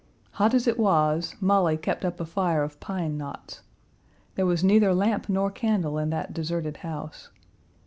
Hot as it was, Molly kept up a fire of pine knots. There was neither lamp nor candle in that deserted house.